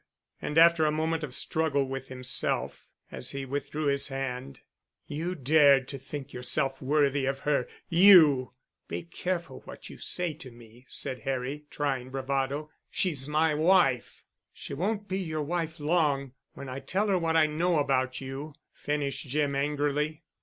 And after a moment of struggle with himself as he withdrew his hand, "You dared to think yourself worthy of her. You!" "Be careful what you say to me," said Harry, trying bravado. "She's my wife." "She won't be your wife long, when I tell her what I know about you," finished Jim angrily.